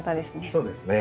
そうですね。